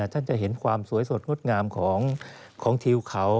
ท่านจะเห็นความสวยสดงดงามของทิวเขา